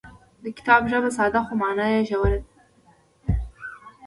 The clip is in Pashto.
د کتاب ژبه ساده خو مانا یې ژوره ده.